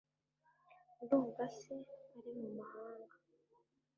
ndumva se ari mumahanga